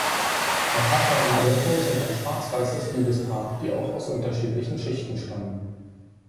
Natasha und Mirko sind ein schwarz-weißes Liebespaar, die auch aus unterschiedlichen Schichten stammen.